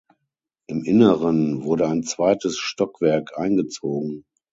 Im Inneren wurde ein zweites Stockwerk eingezogen.